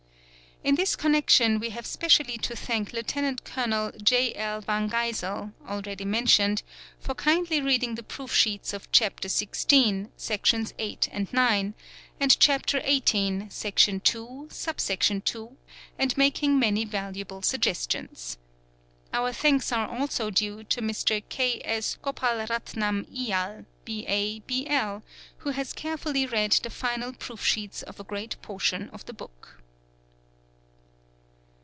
In this connection we have specially to thank Lt. Col. J. L. Van Geyzel, already mentioned, for kindly reading the proof sheets of Chapter XVI, sections viii and ix; and Chapter XVIII, section li, sub section 2, and making many valuable suggestions. Our thanks are also due to Mr. K. S. Gopalratnam Iyer, B.A., B.L., who has carefully read the final proof sheets of a great portion of the book.